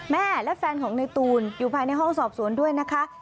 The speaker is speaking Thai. แม่และแฟนของในตูนอยู่ภายในห้องสอบสวนด้วยนะคะ